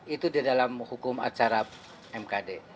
itu di dalam hukum acara mkd